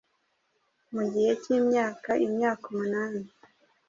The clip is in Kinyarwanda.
Mu gihe cy'imyaka imyaka umunani